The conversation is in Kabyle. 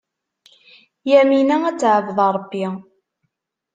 Yamina ad teɛbed Ṛebbi.